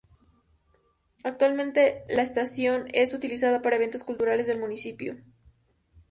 Actualmente la estación es utilizada para eventos culturales del Municipio.